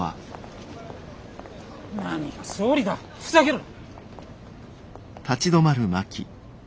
何が総理だふざけるな。